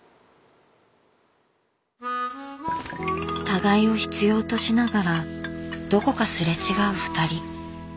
互いを必要としながらどこかすれ違うふたり。